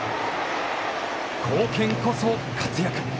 「貢献こそ活躍」